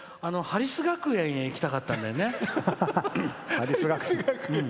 ハリス学園に行きたかったんだよね。